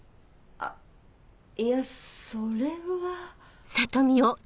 あっいやそれは。